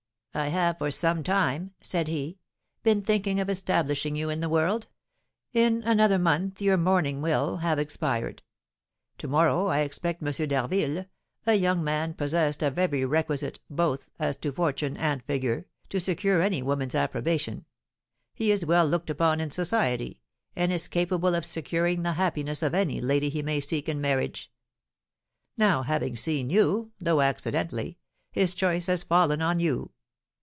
'I have, for some time,' said he, 'been thinking of establishing you in the world; in another month your mourning will have expired. To morrow I expect M. d'Harville, a young man possessed of every requisite, both as to fortune and figure, to secure any woman's approbation; he is well looked upon in society, and is capable of securing the happiness of any lady he may seek in marriage. Now, having seen you, though accidentally, his choice has fallen on you.